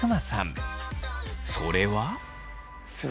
それは。